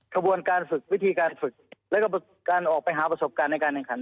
ขบวนการฝึกวิธีการฝึกแล้วก็การออกไปหาประสบการณ์ในการแข่งขัน